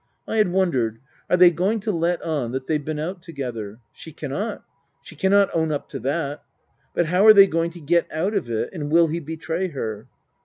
I had wondered : Are they going to let on that they've been out together ? She cannot she cannot own up to that. But how are they going to get out of it, and will he betray her